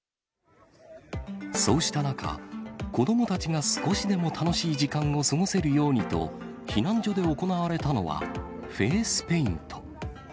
そうした中、子どもたちが少しでも楽しい時間を過ごせるようにと、避難所で行われたのは、フェースペイント。